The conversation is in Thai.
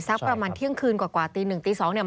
ประมาณเที่ยงคืนกว่าตีหนึ่งตีสองเนี่ย